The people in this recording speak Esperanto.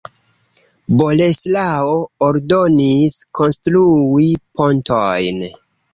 Boleslao ordonis konstrui pontojn.